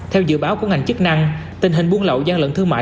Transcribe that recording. theo dự báo của ngành chức năng tình hình buôn lậu gian lận thương mại